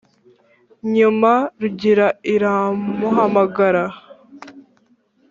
nyuma rugira iramuhamagara